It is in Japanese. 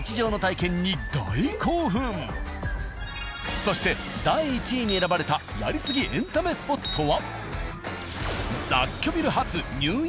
そして第１位に選ばれたやりすぎエンタメスポットは。